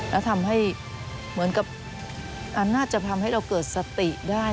และทำให้เหมือนกับน่าจะทำให้เราเกิดสติได้